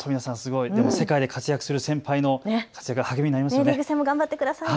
世界で活躍する先輩の活躍が励みになりますね。